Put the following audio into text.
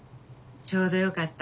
ちょうどよかった。